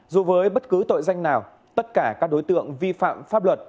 dù với bất cứ tội danh nào tất cả các đối tượng vi phạm pháp luật